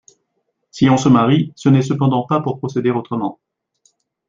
Si on se marie, ce n'est cependant pas pour procéder autrement.